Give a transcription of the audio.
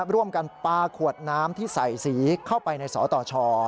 ร่วมกันปลาขวดน้ำที่ใส่สีเข้าไปในสตช